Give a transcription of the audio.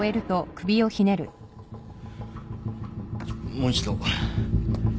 もう一度。